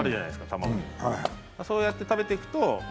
卵そうやって食べていくと。